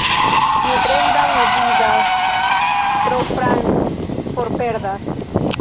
Kiu fremdan avidas, propran forperdas.